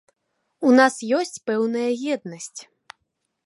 У нас ёсць пэўная еднасць.